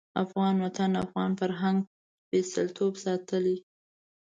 افغان وطن او افغان فرهنګ سپېڅلتوب ساتلی دی.